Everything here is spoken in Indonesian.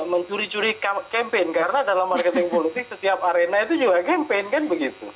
mencuri curi campaign karena dalam marketing politik setiap arena itu juga campaign kan begitu